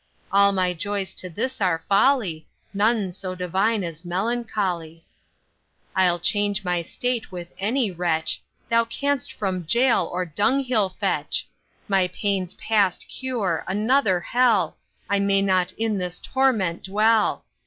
All my joys to this are folly, None so divine as melancholy. I'll change my state with any wretch, Thou canst from gaol or dunghill fetch; My pain's past cure, another hell, I may not in this torment dwell!